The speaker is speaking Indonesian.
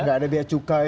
tidak ada biaya cukai